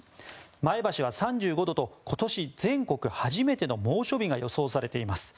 前橋は３５度と今年全国初めての猛暑日が予想されています。